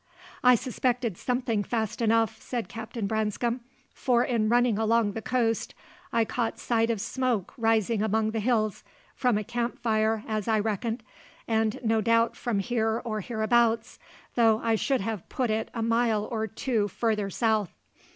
"I suspected something fast enough," said Captain Branscome, "for in running along the coast I caught sight of smoke rising among the hills from a camp fire, as I reckoned and no doubt from here or hereabouts, though I should have put it a mile or two farther south."